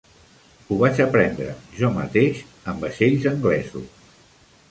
Ho vaig aprendre jo mateix en vaixells anglesos.